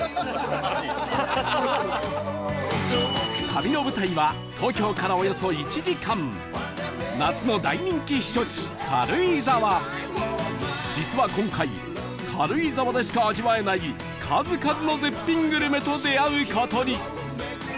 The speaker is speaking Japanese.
旅の舞台は東京からおよそ１時間実は今回軽井沢でしか味わえない数々の絶品グルメと出会う事に